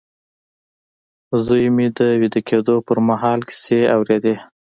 زوی مې د ويده کېدو پر مهال کيسې اورېدې.